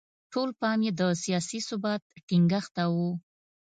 ټول پام یې د سیاسي ثبات ټینګښت ته و.